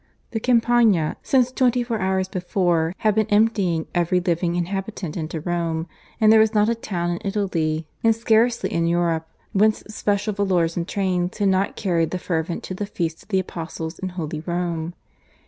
The Campagna since twenty four hours before had been emptying every living inhabitant into Rome; and there was not a town in Italy, and scarcely in Europe, whence special volors and trains had not carried the fervent to the Feast of the Apostles in Holy Rome.